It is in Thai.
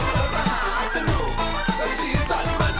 รถมหาสนุก